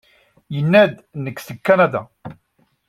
Yenna-d Nekk seg Kanada.